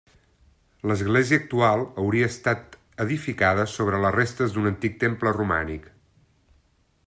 L'església actual hauria estat edificada sobre les restes d'un antic temple romànic.